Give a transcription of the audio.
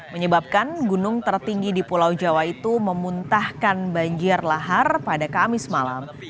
menyebabkan gunung tertinggi di pulau jawa itu memuntahkan banjir lahar pada kamis malam